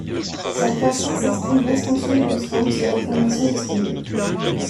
Sa croissance exprime l'expansion constante de l'information disponible.